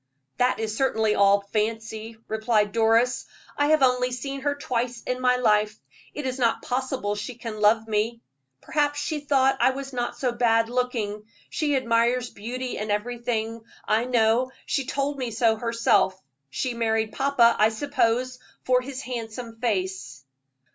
"That is certainly all fancy," replied Doris. "I have only seen her twice in my life; it is not possible she can love me. Perhaps she thought I was not so bad looking she admires beauty in everything, I know; she told me so herself. She married papa, I suppose, for his handsome face."